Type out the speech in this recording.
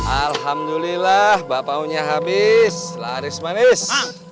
alhamdulillah bapakunya habis laris manis